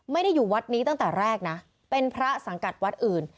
ไม่ได้อยู่วัดนี้ตั้งแต่แรกนะเป็นพระสังกัดวัดอื่น